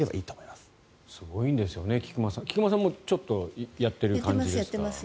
すごいんですよね菊間さん菊間さんもちょっとやってる感じですか？